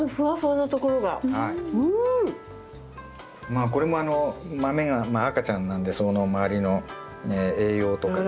まあこれも豆が赤ちゃんなんでその周りの栄養とかですね。